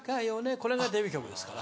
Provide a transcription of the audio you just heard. これがデビュー曲ですから。